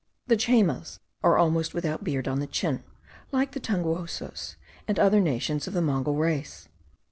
The Chaymas are almost without beard on the chin, like the Tungouses, and other nations of the Mongol race.